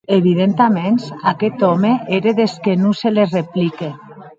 Evidentaments aqueth òme ère des que non se les replique.